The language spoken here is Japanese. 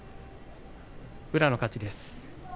宇良の勝ちです。